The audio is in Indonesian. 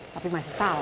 tapi masih salah